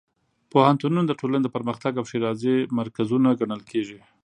پوهنتونونه د ټولنې د پرمختګ او ښېرازۍ مرکزونه ګڼل کېږي.